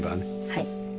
はい。